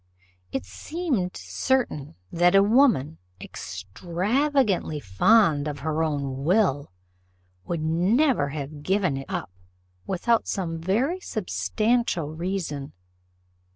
It seemed certain that a woman, extravagantly fond of her own will, would never have given it up without some very substantial reason.